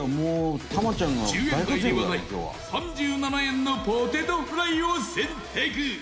１０円台ではない３７円のポテトフライを選択